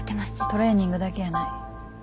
トレーニングだけやない。